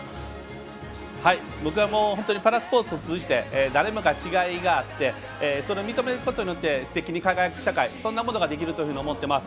僕はパラスポーツを通じて誰もが違いがあってそれを認めることによってすてきに輝ける世界そんなことができると思っています。